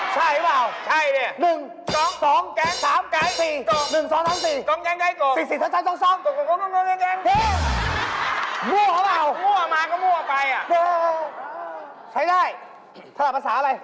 ใช่หรือเปล่า